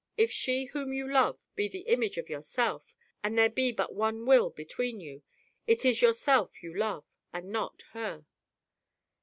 If she whom you love be the image of yourself, and there be but one will between you, it is yourself you love, and not her."